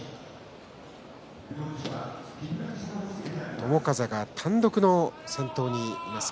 友風が単独の先頭です。